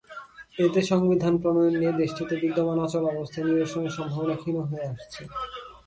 এতে সংবিধান প্রণয়ন নিয়ে দেশটিতে বিদ্যমান অচলাবস্থা নিরসনের সম্ভাবনা ক্ষীণ হয়ে আসছে।